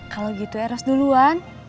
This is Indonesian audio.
kalau gitu eros duluan